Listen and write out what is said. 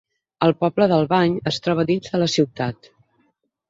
El poble d'Albany es troba dins de la ciutat.